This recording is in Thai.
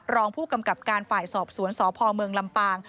รองผู้กำกับการฝ่ายสอบสวนสพเมืองลำปาง